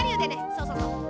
そうそうそう。